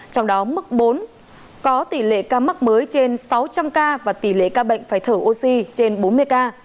trong đó mức bốn có tỷ lệ ca mắc mới trên sáu trăm linh ca và tỷ lệ ca bệnh phải thở oxy trên bốn mươi ca